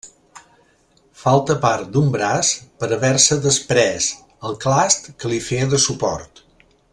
Falta part d'un braç per haver-se desprès el clast que li feia de suport.